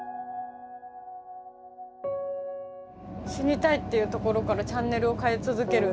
死にたいっていうところからチャンネルを変え続ける。